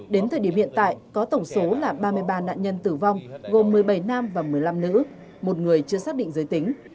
đến thời điểm hiện tại có tổng số là ba mươi ba nạn nhân tử vong gồm một mươi bảy nam và một mươi năm nữ một người chưa xác định giới tính